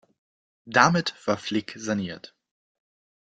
Damit war Flick saniert.